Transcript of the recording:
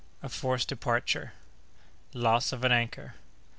—A Forced Departure.—Loss of an Anchor.